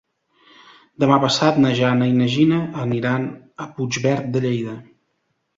Demà passat na Jana i na Gina aniran a Puigverd de Lleida.